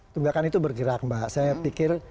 tunggakan itu bergerak mbak